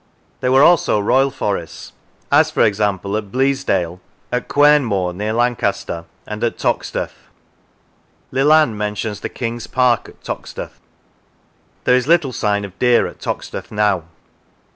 There were also Royal forests, as for example at Bleasdale, at Quern more, near Lancaster, and at Toxteth. Leland mentions the King's park at Toxteth. There is little sign of deer at Toxteth now.